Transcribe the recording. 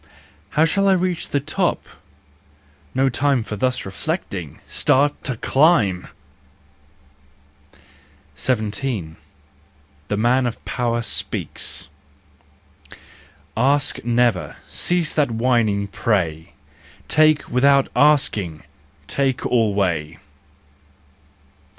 " How shall I reach the top ?" No time For thus reflecting! Start to climb! JEST, RUSE AND REVENGE 17 . The Man of Power Speaks . Ask never! Cease that whining, pray! Take without asking, take alway!